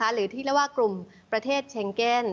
หรือที่เรียกว่ากลุ่มประเทศเช็งเก็น